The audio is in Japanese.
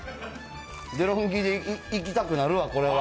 デロンギでいきたくなるわ、これは。